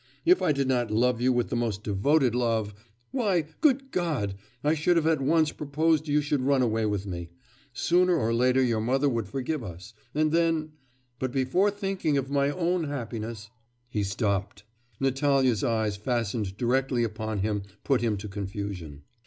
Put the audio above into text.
If I did not love you with the most devoted love why, good God! I should have at once proposed you should run away with me.... Sooner or later your mother would forgive us and then... But before thinking of my own happiness ' He stopped. Natalya's eyes fastened directly upon him put him to confusion.